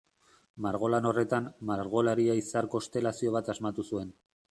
Margolan horretan, margolaria izar konstelazio bat asmatu zuen.